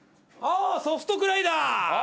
ソフトグライダー。